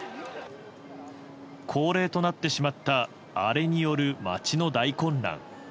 恒例となってしまったアレによる街の大混乱。